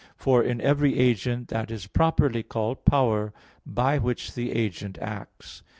For in every agent, that is properly called power, by which the agent acts.